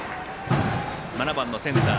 ７番のセンター